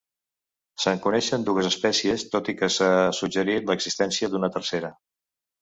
Se'n coneixen dues espècies, tot i que s'ha suggerit l'existència d'una tercera.